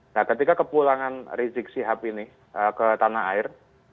nah ketika kepulangan resiksi hap ini ke tanah air